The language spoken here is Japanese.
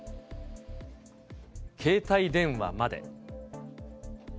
携帯電話まで。